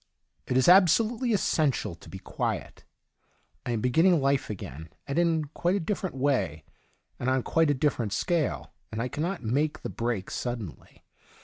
— It is absolutely essen tial to be quiet. I am beginning life again, and in quite a different way, and on quite a different scale, and I cannot make the break sud denly.